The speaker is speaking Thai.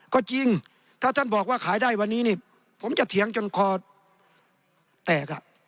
ก็จริงถ้าท่านบอกว่าขายได้วันนี้นี่ผมจะเถียงจนคอแตก